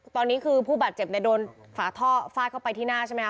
ตอนนี้คือผู้บาดเจ็บเนี่ยโดนฝาท่อฟาดเข้าไปที่หน้าใช่ไหมค